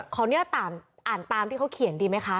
ขออนุญาตอ่านตามที่เขาเขียนดีไหมคะ